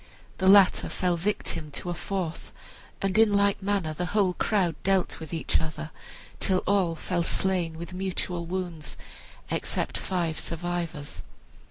The latter fell victim to a fourth, and in like manner the whole crowd dealt with each other till all fell, slain with mutual wounds, except five survivors.